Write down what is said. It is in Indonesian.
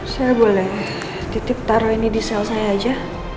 saya boleh titip taruh ini di sel saya aja